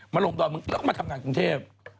มาโรงพยาบาลมึงแล้วก็มาทำงานกรุงเทพฯ